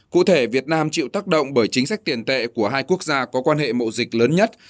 cụ thể việt nam chịu tác động bởi chính sách tiền tệ của hai quốc gia có quan hệ mộ dịch lớn nhất